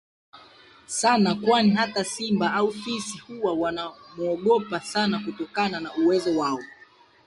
sana kwani hata simba au fisi huwa wana muogopa sana kutokana na uwezo wa